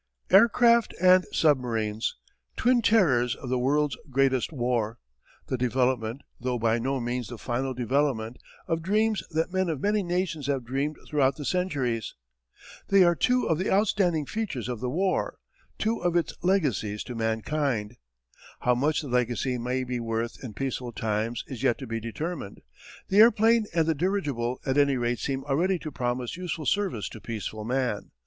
Aircraft and submarines! Twin terrors of the world's greatest war! The development, though by no means the final development, of dreams that men of many nations have dreamed throughout the centuries! They are two of the outstanding features of the war; two of its legacies to mankind. How much the legacy may be worth in peaceful times is yet to be determined. The airplane and the dirigible at any rate seem already to promise useful service to peaceful man.